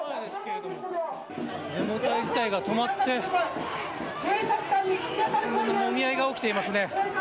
デモ隊自体が止まってもみ合いが起きていますね。